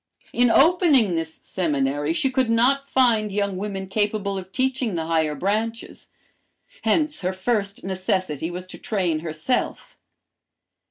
"In opening this seminary she could not find young women capable of teaching the higher branches, hence her first necessity was to train herself.